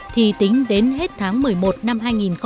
thì tính đến hết tháng một mươi một năm hai nghìn một mươi chín